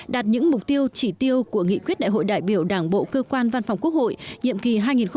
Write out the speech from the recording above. đạt những mục tiêu chỉ tiêu của nghị quyết đại hội đại biểu đảng bộ cơ quan văn phòng quốc hội nhiệm kỳ hai nghìn hai mươi hai nghìn hai mươi